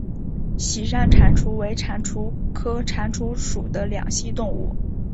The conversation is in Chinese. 喜山蟾蜍为蟾蜍科蟾蜍属的两栖动物。